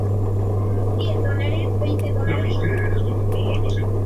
Hermano del cómico Dringue Farías.